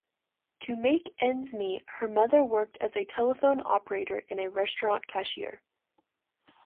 To make ends meet, her mother worked as a telephone operator and restaurant cashier.